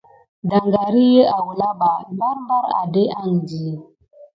Daŋgar iki awula ɓa barbar adéke andi.